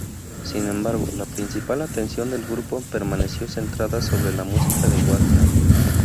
Sin embargo, la principal atención del grupo permaneció centrada sobre la música de Wagner.